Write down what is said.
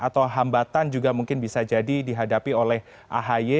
atau hambatan juga mungkin bisa jadi dihadapi oleh ahy